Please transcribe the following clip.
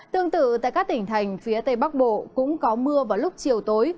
tương tự tại các tỉnh thành phía tây bắc bộ cũng có mưa vào lúc chiều tối